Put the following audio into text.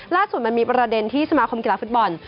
ล่าสุดมันมีประเด็นที่สมาคมกีฬาฟุตบอล